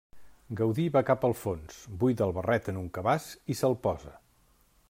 Gaudí va cap al fons, buida el barret en un cabàs i se'l posa.